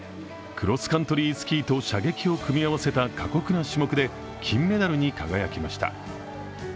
クロスカントリースキーと射撃を組み合わせ過酷な種目で金メダルに輝きました。